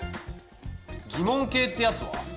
「疑問系」ってやつは？